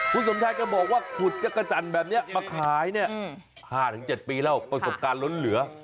คุณสมชายก็บอกว่าขุดจักรจันทร์แบบนี้มาขายเนี่ย๕๗ปีแล้วประสบการณ์ล้นเหลือ